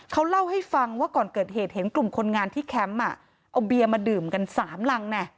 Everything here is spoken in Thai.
เขาเล่าให้ฟังว่าก่อนเกิดเหตุเห็นกลุ่มคนงานที่แคมป์เอาเบียร์มาดื่มกัน๓รัง